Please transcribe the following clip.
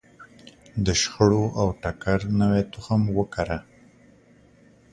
د شخړو او ټکر نوی تخم وکره.